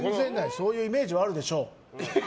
そういうイメージはあるでしょう。